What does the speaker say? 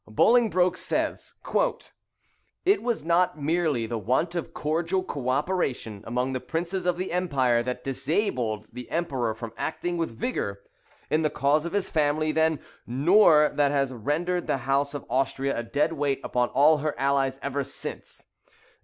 Bolingbroke says, "It was not merely the want of cordial co operation among the princes of the Empire that disabled the emperor from acting with vigour in the cause of his family then, nor that has rendered the house of Austria a dead weight upon all her allies ever since.